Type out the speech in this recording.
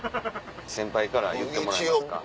先輩から言ってもらえますか。